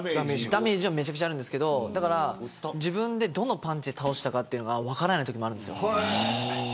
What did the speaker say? ダメージはめちゃくちゃあるんですけど自分で、どのパンチで倒したか分からないときがあるんです。